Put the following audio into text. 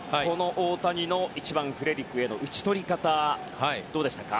大谷の１番フレリクへの打ち取り方どうでしたか？